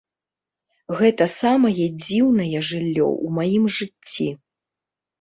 Гэта самае дзіўнае жыллё ў маім жыцці.